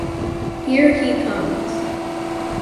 Here he comes.